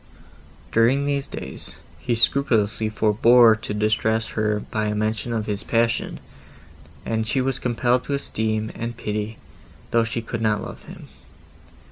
During these days, he scrupulously forbore to distress her by a mention of his passion, and she was compelled to esteem and pity, though she could not love him.